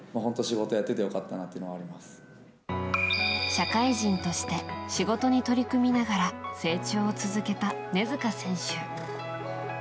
社会人として仕事に取り組みながら成長を続けた根塚選手。